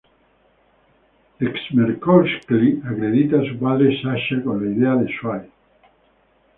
Chmerkovskiy acredita a su padre Sasha con la idea de "Sway".